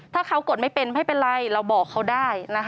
ถ้าเขากดไม่เป็นไม่เป็นไรเราบอกเขาได้